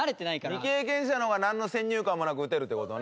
未経験者の方がなんの先入観もなく打てるって事ね。